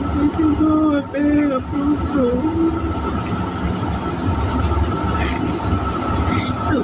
ไม่ช่วยโทษแม่กับลูกหนู